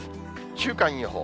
週間予報。